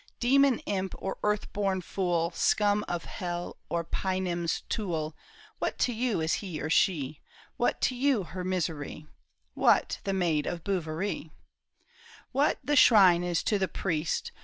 " Demon imp or earth born fool, THE TOWER OF BO UV ERIE. Scum of hell or Paynim's tool, What to you is he or she ? What to you her misery ? What, the maid of Bouverie ?"" What the shrine is to the priest.